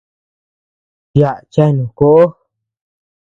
Yaʼa chenu koʼo.